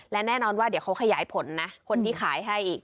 และแน่นอนว่าเดี๋ยวเขาขยายผลนะ